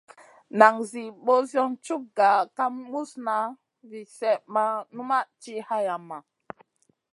Nan Zi ɓosion cug gah kam muzna vi slèh ma numʼma ti hayama.